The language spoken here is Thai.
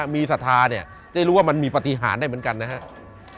มีศรัทธาเนี่ยได้รู้ว่ามันมีปฏิหารได้เหมือนกันนะครับ